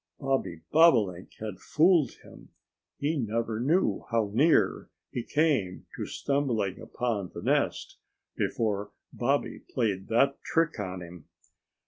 Bobby Bobolink had fooled him. He never knew how near he came to stumbling upon the nest, before Bobby played that trick on him.